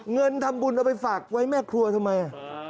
เงินทำบุญเอาไปฝากไว้แม่ครัวทำไม